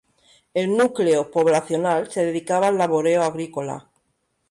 El núcleo poblacional se dedicaba al laboreo agrícola.